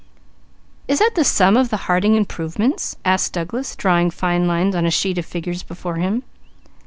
"Is that the sum of the Harding improvements?" asked Douglas, drawing fine lines on a sheet of figures before him.